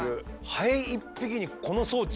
ハエ１匹にこの装置？